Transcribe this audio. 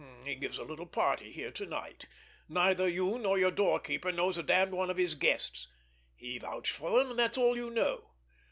He gives a little party here to night. Neither you nor your doorkeeper knows a damned one of his guests. He vouched for them, and that's all you know.